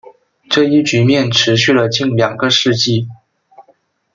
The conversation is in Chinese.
这一局面持续了近两个世纪。